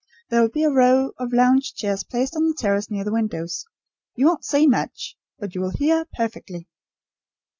There will be a row of lounge chairs placed on the terrace near the windows. You won't see much; but you will hear, perfectly."